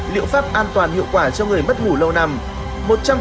liệu pháp an toàn hiệu quả cho người mất ngủ lâu năm